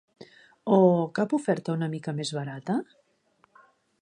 O cap oferta una mica més barata?